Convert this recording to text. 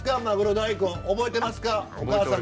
マグロ大根覚えてますか？